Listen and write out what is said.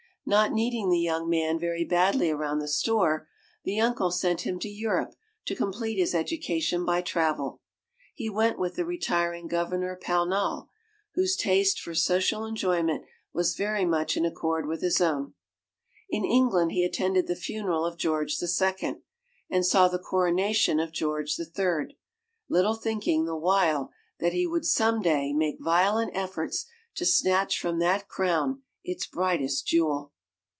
Not needing the young man very badly around the store, the uncle sent him to Europe to complete his education by travel. He went with the retiring Governor Pownal, whose taste for social enjoyment was very much in accord with his own. In England, he attended the funeral of George the Second, and saw the coronation of George the Third, little thinking the while that he would some day make violent efforts to snatch from that crown its brightest jewel.